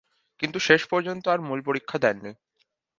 কিন্তু শেষ পর্যন্ত আর মূল পরীক্ষা দেননি।